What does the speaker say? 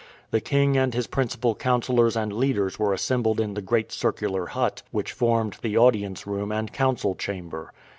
The king and his principal councilors and leaders were assembled in the great circular hut which formed the audience room and council chamber.